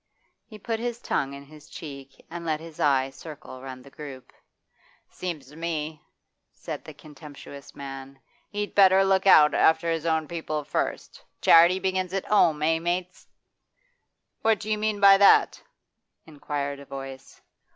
He put his tongue in his cheek and let his eye circle round the group. 'Seems to me,' said the contemptuous man, 'he'd better look after his own people first. Charity begins at 'ome, eh, mates?' 'What do you mean by that?' inquired a voice.